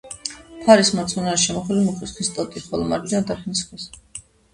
ფარის მარცხნივ არის შემოხვეული მუხის ხის ტოტი ხოლო მარჯვნიდან დაფნის ხის.